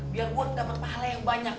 biar gue dapat pahala yang banyak